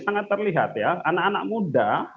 sangat terlihat ya anak anak muda